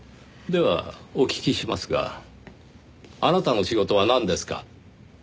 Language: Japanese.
ではお聞きしますがあなたの仕事はなんですか？